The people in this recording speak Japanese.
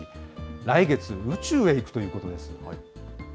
来月、宇宙へ行くということです。